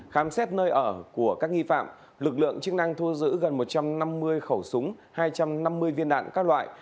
khám xét nơi ở của các nghi phạm lực lượng chức năng thu giữ gần một trăm năm mươi khẩu súng hai trăm năm mươi viên đạn các loại